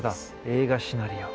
映画シナリオ。